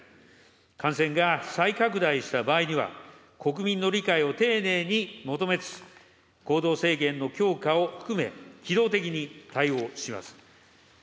感染が再拡大した場合には、国民の理解を丁寧に求めつつ、行動制限の強化を含め、機動的に対応します。